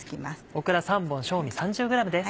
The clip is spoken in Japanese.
オクラ３本正味３０ｇです。